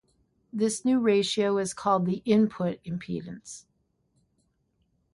This new ratio is called the input impedance.